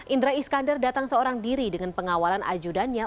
indra iskandar datang seorang diri dengan pengawalan ajudannya